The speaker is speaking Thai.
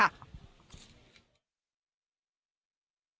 การประกอบศาสนาคิดต่อไป